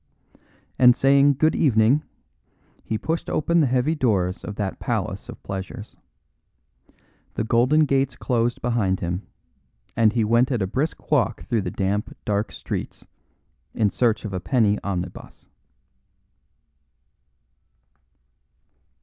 And saying "Good evening," he pushed open the heavy doors of that palace of pleasures. The golden gates closed behind him, and he went at a brisk walk through the damp, dark streets in search of a penny omnibus.